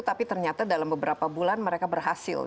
tapi ternyata dalam beberapa bulan mereka berhasil